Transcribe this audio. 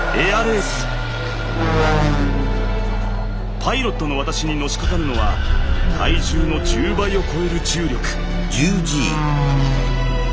パイロットの私にのしかかるのは体重の１０倍を超える重力。